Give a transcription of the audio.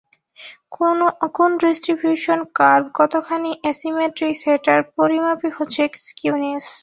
কোন distribution curve কতখানি asymmetric সেটার পরিমাপই হচ্ছে স্কিউনেস।